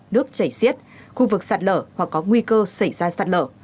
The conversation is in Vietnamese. nước chảy xiết khu vực sạt lở hoặc có nguy cơ xảy ra sạt lở